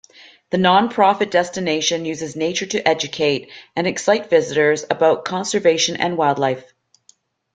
The non-profit destination uses nature to educate and excite visitors about conservation and wildlife.